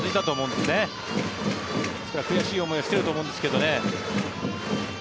ですから、悔しい思いをしていると思うんですけどね。